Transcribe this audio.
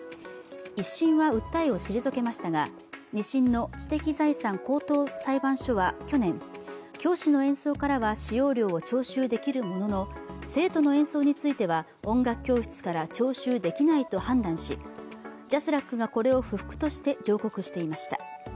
１審は訴えを退けましたが２審の知的財産高等裁判所は去年教師の演奏からは使用料を徴収できるものの、生徒の演奏については音楽教室から徴収できないと判断し、ＪＡＳＲＡＣがこれを不服として上告していました。